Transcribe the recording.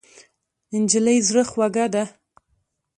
نجلۍ زړه خوږه ده.